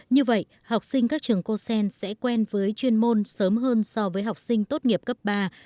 như vậy học sinh các trường cosen sẽ quen với chuyên môn sớm hơn so với học sinh tốt nghiệp cấp ba